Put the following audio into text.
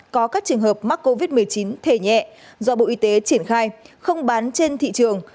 có các trường hợp mắc covid một mươi chín thể nhẹ do bộ y tế triển khai không bán trên thị trường